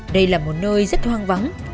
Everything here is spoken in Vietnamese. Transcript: đây là một nơi rất hoang vắng